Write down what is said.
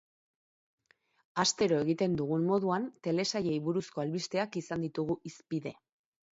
Astero egiten dugun moduan, telesailei buruzko albisteak izan ditugu hizpide.